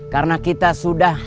karena kita sudah